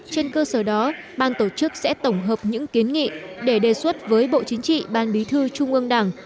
trên cơ sở đó ban tổ chức sẽ tổng hợp những kiến nghị để đề xuất với bộ chính trị ban bí thư trung ương đảng